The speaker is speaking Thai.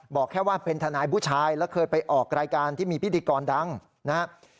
บอกแค่ว่าเป็นทนายผู้ชายแล้วเคยไปออกรายการที่มีพิธีกรดังนะครับ